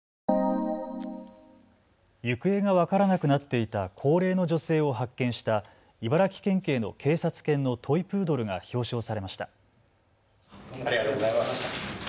行方が分からなくなっていた高齢の女性を発見した茨城県警の警察犬のトイプードルが表彰されました。